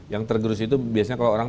yang tergerus itu biasanya kalau orang